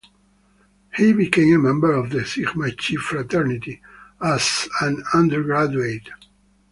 He became a member of the Sigma Chi Fraternity as an undergraduate.